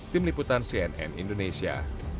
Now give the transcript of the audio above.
tim liputan cnn indonesia